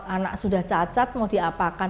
anak sudah cacat mau diapakan